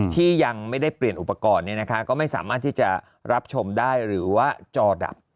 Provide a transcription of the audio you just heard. ที่ยังไม่ได้เปลี่ยนอุปกรณ์ก็ไม่สามารถที่จะรับชมได้หรือว่าจอดับ